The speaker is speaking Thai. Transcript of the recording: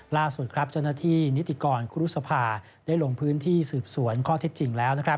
ล่าสุดครับเจ้าหน้าที่นิติกรครูรุษภาได้ลงพื้นที่สืบสวนข้อเท็จจริงแล้ว